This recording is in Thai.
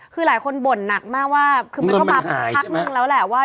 คือหลายคนบ่นหนักมากว่าคือมันก็มาพักนึงแล้วแหละว่า